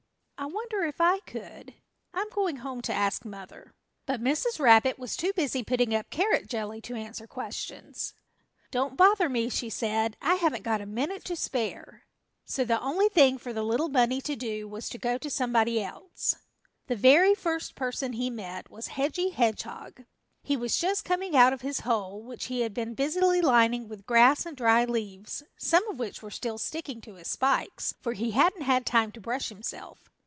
I wonder if I could? I'm going home to ask Mother." But Mrs. Rabbit was too busy putting up carrot jelly to answer questions. "Don't bother me," she said, "I haven't got a minute to spare." So the only thing for the little bunny to do was to go to somebody else. The very first person he met was Hedgy Hedgehog. He was just coming out of his hole, which he had been busily lining with grass and dry leaves, some of which were still sticking to his spikes, for he hadn't had time to brush himself.